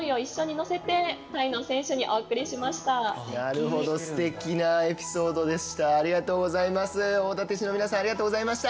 なるほどすてきなエピソードでした。